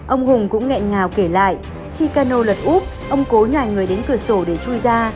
ông hùng cũng nghẹn ngào kể lại khi cano lật úp ông cố nhà người đến cửa sổ để chui ra